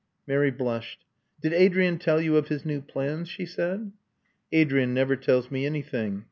Mary blushed. "Did Adrian tell you of his new plans?" she said. "Adrian never tells me anything.